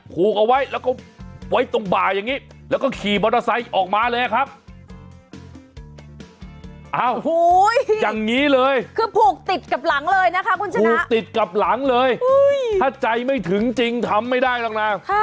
หูยยยยยยยถ้าใจไม่ถึงจริงทำไม่ได้แล้วนะ